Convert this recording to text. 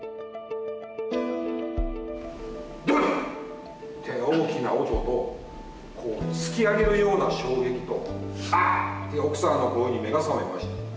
ドンって大きな音とこう突き上げるような衝撃と「あっ！」っていう奥さんの声に目が覚めました。